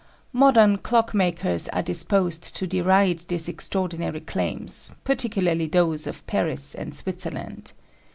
Modern clock makers are disposed to deride these extraordinary claims, particularly those of Paris and Switzerland.